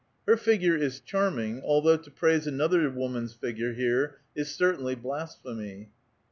" Her figure is charming, although to praise another woman's figure here is certainly blasphemy."